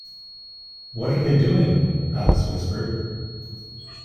‘What are they doing?’ Alice whispered.